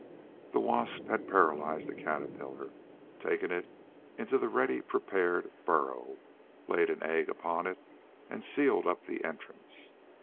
The wasp had paralyzed a caterpillar, taken it into the ready prepared burrow, laid an egg upon it, and sealed up the entrance.